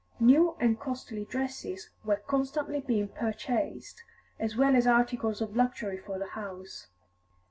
New and costly dresses were constantly being purchased, as well as articles of luxury for the house.